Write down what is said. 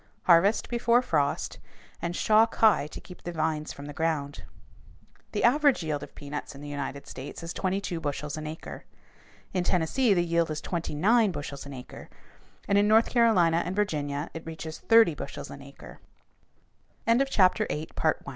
Harvest before frost, and shock high to keep the vines from the ground. The average yield of peanuts in the United States is twenty two bushels an acre. In Tennessee the yield is twenty nine bushels an acre, and in North Carolina and Virginia it reaches thirty bushels an acre. SECTION XL.